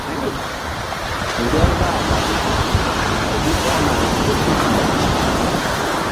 Ŋgerzah laɓ nzuk ɓay hi̧ ɔkna ké tusiɓa.